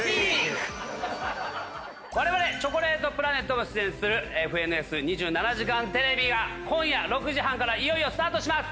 われわれチョコレートプラネットが出演する『ＦＮＳ２７時間テレビ』が今夜６時半からいよいよスタートします。